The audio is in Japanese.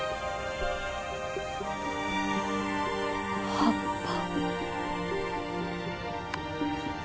葉っぱ？